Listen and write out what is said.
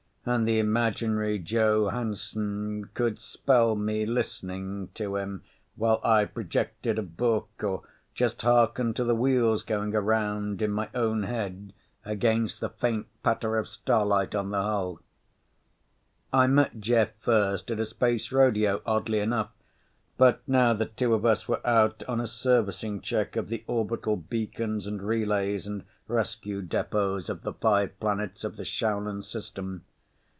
and the imaginary Joe Hansen could spell me listening to him, while I projected a book or just harkened to the wheels going around in my own head against the faint patter of starlight on the hull. I met Jeff first at a space rodeo, oddly enough, but now the two of us were out on a servicing check of the orbital beacons and relays and rescue depots of the five planets of the Shaulan system.